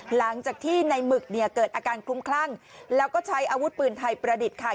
หลังจากที่ในหมึกเนี่ยเกิดอาการคลุ้มคลั่งแล้วก็ใช้อาวุธปืนไทยประดิษฐ์ค่ะ